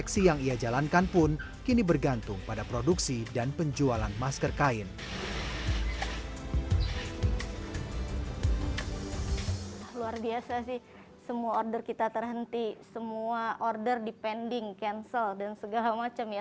semua order kita terhenti semua order dipending cancel dan segala macam ya